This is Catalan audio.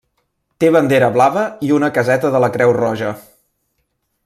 Té bandera blava i una caseta de la Creu Roja.